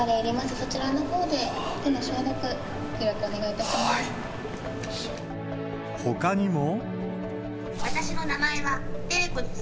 そちらのほうで手の消毒、ご協力お願いいたします。